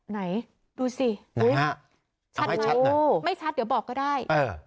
ไหนดูสิชัดไหมไม่ชัดเดี๋ยวบอกก็ได้